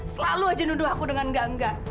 selalu aja nuduh aku dengan gangga